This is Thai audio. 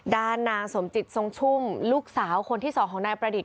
นางสมจิตทรงชุ่มลูกสาวคนที่สองของนายประดิษฐ